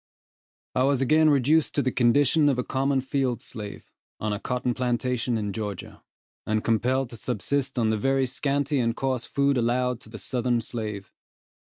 I was again reduced to the condition of a common field slave, on a cotton plantation in Georgia, and compelled to subsist on the very scanty and coarse food allowed to the southern slave.